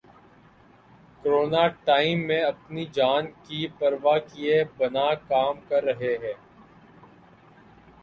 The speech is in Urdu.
کروناء ٹائم میں اپنی جان کی پرواہ کیے بنا کام کر رہے ہیں۔